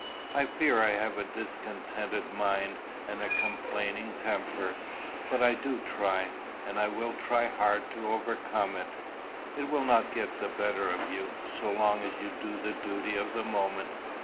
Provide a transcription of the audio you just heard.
I fear I have a discontented mind and a complaining temper. But I do try, and I will try hard to overcome it." "It will not get the better of you, so long as you do the duty of the moment.